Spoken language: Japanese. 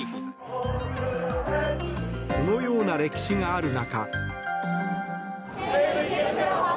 このような歴史がある中。